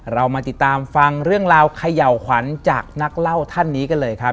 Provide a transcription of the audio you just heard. เรามาติดตามฟังเรื่องราวเขย่าขวัญจากนักเล่าท่านนี้กันเลยครับ